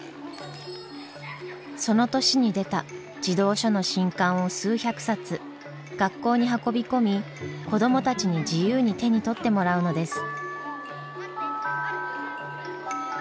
その年に出た児童書の新刊を数百冊学校に運び込み子どもたちに自由に手に取ってもらうのです。